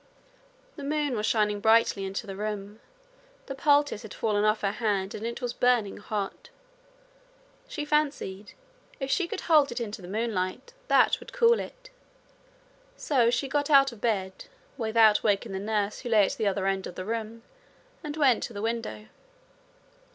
The moon was shining brightly into the room. The poultice had fallen off her hand and it was burning hot. She fancied if she could hold it into the moonlight that would cool it. So she got out of bed, without waking the nurse who lay at the other end of the room, and went to the window.